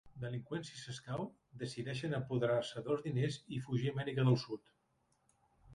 Delinqüents si s'escau, decideixen apoderar-se dels diners i fugir a Amèrica del sud.